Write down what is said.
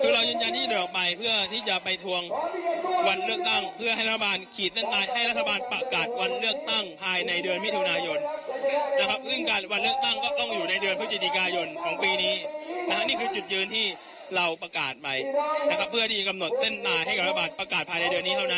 คือเรายืนยันที่จะเดินออกไปเพื่อที่จะไปทวงวันเลือกตั้งเพื่อให้รัฐบาลขีดเส้นตายให้รัฐบาลประกาศวันเลือกตั้งภายในเดือนมิถุนายนนะครับซึ่งการวันเลือกตั้งก็ต้องอยู่ในเดือนพฤศจิกายนของปีนี้นะฮะนี่คือจุดยืนที่เราประกาศไปนะครับเพื่อที่จะกำหนดเส้นตายให้กับรัฐบาลประกาศภายในเดือนนี้เท่านั้น